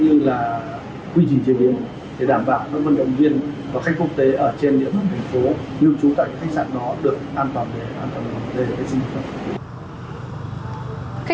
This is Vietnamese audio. được an toàn về vệ sinh thực phẩm